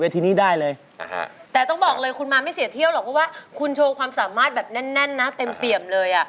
เป็นแน่นนะเต็มเปรียมเลย